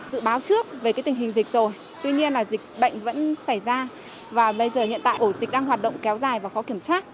dự báo trước về cái tình hình dịch rồi tuy nhiên là dịch bệnh vẫn xảy ra và bây giờ hiện tại ổ dịch đang hoạt động kéo dài và khó kiểm soát